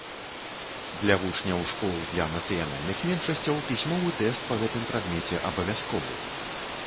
Для вучняў школ для нацыянальных меншасцяў пісьмовы тэст па гэтым прадмеце абавязковы.